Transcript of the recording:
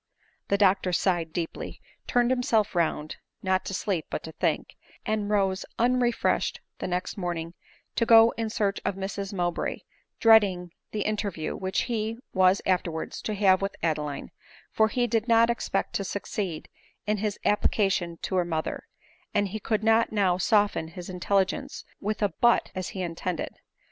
The doctor sighed deeply ; turned himself round, not to sleep but to think, and rose unrefreshed the next morning to go in search of Mrs Mowbray, dreading the inter iew which he was afterwards to have with Adeline ; for he did not expect to succeed in his application to, her mother, and he could not now soften his intelligence with a " but," as he intended.